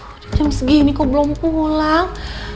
udah jam segini kok belum pulang